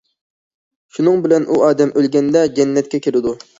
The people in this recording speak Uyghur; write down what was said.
شۇنىڭ بىلەن ئۇ ئادەم ئۆلگەندە جەننەتكە كىرىدۇ.